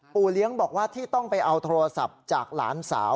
เลี้ยงบอกว่าที่ต้องไปเอาโทรศัพท์จากหลานสาว